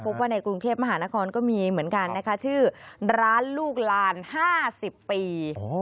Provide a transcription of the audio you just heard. ว่าในกรุงเทพมหานครก็มีเหมือนกันนะคะชื่อร้านลูกลาน๕๐ปี